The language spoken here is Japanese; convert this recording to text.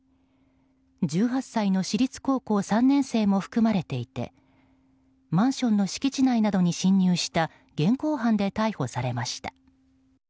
１８歳の私立高校３年生も含まれていてマンションの敷地内などに侵入した現行犯で逮捕されました。